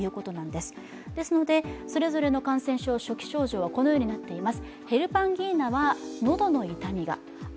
ですので、それぞれの感染症の初期症状、このようになっています。